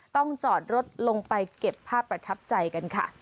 จอดรถลงไปเก็บภาพประทับใจกันค่ะ